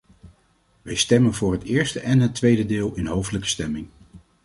Wij stemmen voor het eerste en het tweede deel in hoofdelijke stemming.